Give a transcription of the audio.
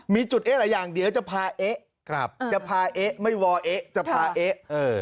มีจุดเอ๊ะหลายอย่างเดี๋ยวจะพาเอ๊ะจะพาเอ๊ะไม่วอเอ๊ะจะพาเอ๊ะ